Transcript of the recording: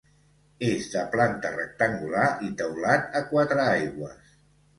És de planta rectangular i teulat a quatre aigües.